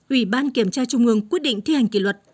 ủy ban kiểm tra trung ương quyết định thi hành kỷ luật